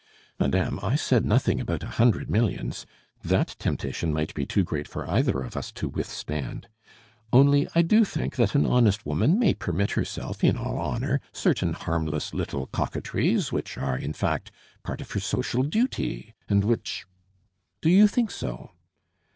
"Madame, I said nothing about a hundred millions; that temptation might be too great for either of us to withstand. Only, I do think that an honest woman may permit herself, in all honor, certain harmless little coquetries, which are, in fact, part of her social duty and which " "Do you think so?"